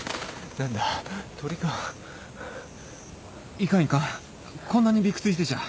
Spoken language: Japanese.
いかんいかんこんなにビクついてちゃ